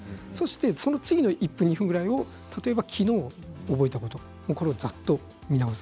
その次の１分２分ぐらいを例えばきのう覚えたところをざっと見直す。